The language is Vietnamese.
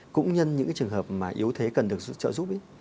cũng nhân những cái trường hợp mà yếu thế cần được trợ giúp ấy